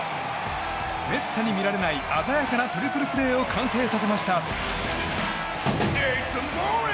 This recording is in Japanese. めったに見られない鮮やかなトリプルプレーを完成させました。